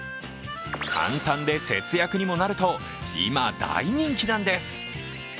簡単で節約にもなると今大人気なんです。